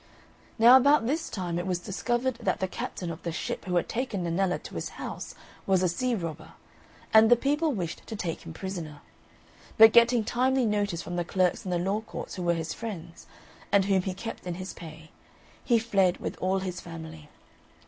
Now about this time it was discovered that the captain of the ship who had taken Nennella to his house was a sea robber, and the people wished to take him prisoner; but getting timely notice from the clerks in the law courts, who were his friends, and whom he kept in his pay, he fled with all his family.